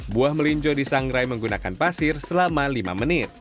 buah melinjo disangrai menggunakan pasir selama lima menit